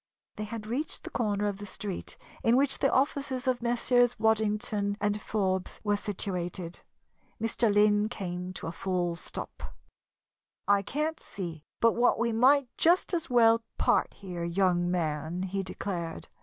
They had reached the corner of the street in which the offices of Messrs. Waddington & Forbes were situated. Mr. Lynn came to a full stop. "I can't see but what we might just as well part here, young man," he declared.